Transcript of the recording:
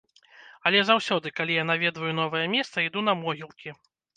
Але заўсёды, калі я наведваю новае месца, іду на могілкі.